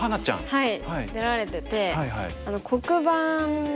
はい。